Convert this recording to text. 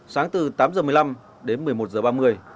sáng từ tám h một mươi năm đến một mươi một h ba mươi